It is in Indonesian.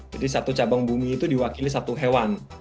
jadi satu cabang bumi itu diwakili satu hewan